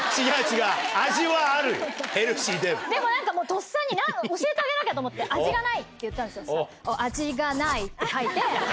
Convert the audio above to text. とっさに教えてあげなきゃと思って「味がない」って言ったんですよそしたら。って書いて。